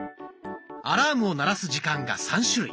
アラームを鳴らす時間が３種類。